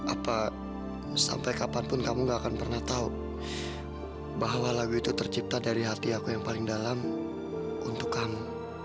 apa sampai kapanpun kamu gak akan pernah tahu bahwa lagu itu tercipta dari hati aku yang paling dalam untuk kamu